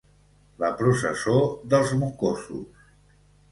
La processó dels mocosos.